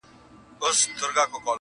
د مور ورځ دې ټولو ميندو ته مبارک سي